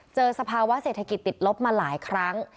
สภาวะเศรษฐกิจติดลบมาหลายครั้ง